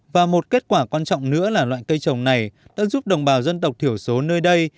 và một kết quả quan trọng nữa là loại cây trồng này đã giúp đồng bào dân tộc thiểu số nơi đây